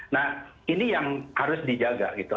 nah ini yang harus dijaga gitu